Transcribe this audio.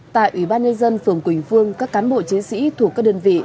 tại ủy ban nhân dân phường quỳnh phương các cán bộ chiến sĩ thuộc các đơn vị